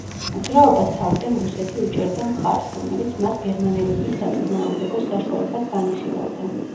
მოძრაობას თავიდან რუსეთი უჭერდა მხარს, რომელიც მათ გერმანელების საწინააღმდეგო საშუალებად განიხილავდა.